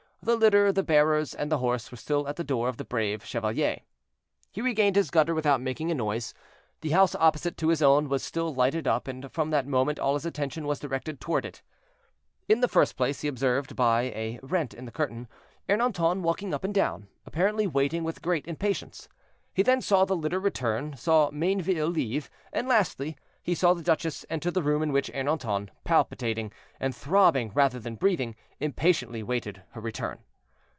The litter, the bearers, and the horse were still at the door of the "Brave Chevalier." He regained his gutter without making a noise. The house opposite to his own was still lighted up, and from that moment all his attention was directed toward it. In the first place, he observed, by a rent in the curtain, Ernanton walking up and down, apparently waiting with great impatience. He then saw the litter return, saw Mayneville leave, and, lastly, he saw the duchess enter the room in which Ernanton, palpitating, and throbbing rather than breathing, impatiently awaited her return.